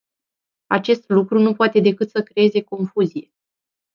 Acest lucru nu poate decât să creeze confuzie.